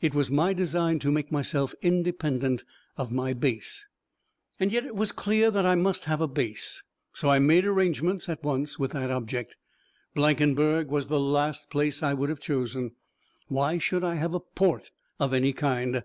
It was my design to make myself independent of my base. And yet it was clear that I must have a base, so I made arrangements at once with that object. Blankenberg was the last place I would have chosen. Why should I have a port of any kind?